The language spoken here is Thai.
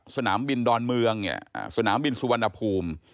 สนามบินดอนเมืองเนี่ยสนามบินสุวรรณภูมิ